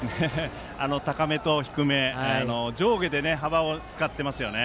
高めと低め上下で幅を使っています。